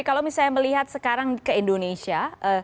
kalau misalnya melihat sekarang ke indonesia